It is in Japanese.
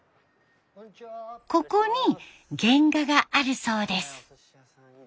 ここに原画があるそうです。